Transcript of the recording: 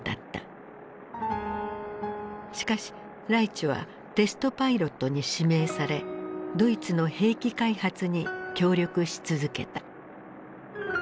しかしライチュはテストパイロットに指名されドイツの兵器開発に協力し続けた。